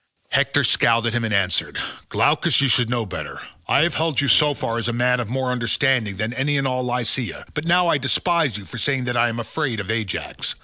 Hector scowled at him and answered, "Glaucus, you should know better. I have held you so far as a man of more understanding than any in all Lycia, but now I despise you for saying that I am afraid of Ajax.